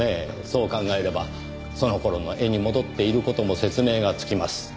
そう考えればその頃の絵に戻っている事も説明がつきます。